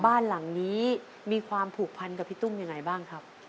บ้านหลังนี้มีความผูกพันกับพี่ตุ้มยังไงบ้างครับ